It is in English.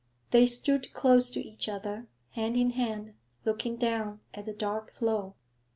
They stood close to each other, hand in hand, looking down at the dark flow.